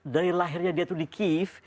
dari lahirnya dia itu di kiev